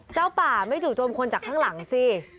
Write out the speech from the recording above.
เจ้าป่าไม่จู่โจมคนจากข้างหลังสิ